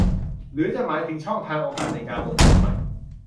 หรือจะหมายถึงช่องทางโอกาสในการลงทุนใหม่